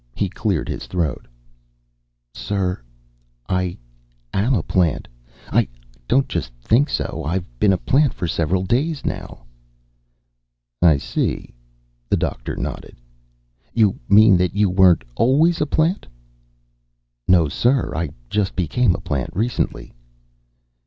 He cleared his throat. "Sir, I am a plant, I don't just think so. I've been a plant for several days, now." "I see." The Doctor nodded. "You mean that you weren't always a plant?" "No, sir. I just became a plant recently."